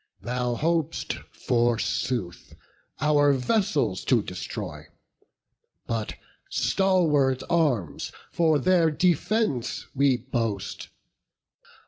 Thou hop'st, forsooth, our vessels to destroy; But stalwart arms for their defence we boast.